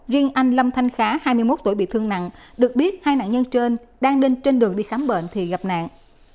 riêng anh lâm thanh khá hai mươi một tuổi bị thương nặng được biết hai nạn nhân trên đang đi trên đường đi khám bệnh thì gặp nạn